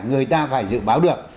người ta phải dự báo được